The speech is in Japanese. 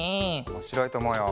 おもしろいとおもうよ。